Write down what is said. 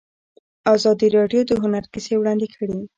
ازادي راډیو د هنر کیسې وړاندې کړي.